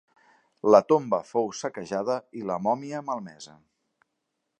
La tomba fou saquejada i la mòmia malmesa.